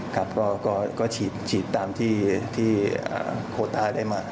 ครับก็ฉีดตามที่โคต้าได้มา